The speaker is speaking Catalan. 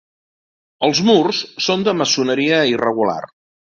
Els murs són de maçoneria irregular.